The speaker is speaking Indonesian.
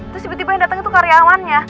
terus tiba tiba yang datang itu karyawannya